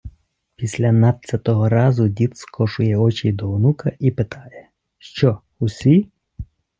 Після надцятого разу дід скошує очі до онука і питає: “Що, усі?”